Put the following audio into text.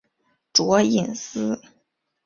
卓颖思。